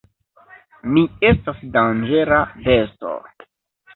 "Mi estas danĝera besto!"